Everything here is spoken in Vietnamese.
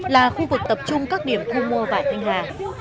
là khu vực tập trung các điểm thu mua vải thanh hà